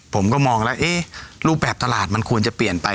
ผมก็มองแล้วรูปแบบตลาดมันควรจะเปลี่ยนไป